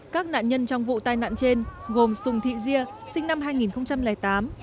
các nạn nhân trong vụ tai nạn trên gồm sùng thị dia sinh năm hai nghìn tám